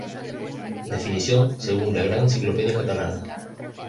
Definición según la Gran Enciclopedia Catalana.